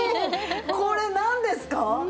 これなんですか？